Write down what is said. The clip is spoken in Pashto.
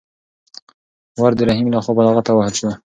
ور د رحیم لخوا په لغته ووهل شو.